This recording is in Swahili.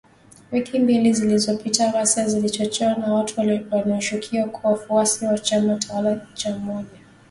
Wiki mbili zilizopita, ghasia zilizochochewa na watu wanaoshukiwa kuwa wafuasi wa chama tawala cha umoja wa kitaifa wa Zimbabwe.